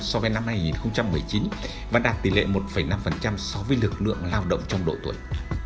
so với năm hai nghìn một mươi chín và đạt tỷ lệ một năm so với lực lượng lao động trong độ tuổi